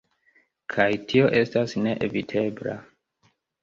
Kaj tio estas neevitebla.